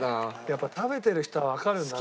やっぱ食べてる人はわかるんだな。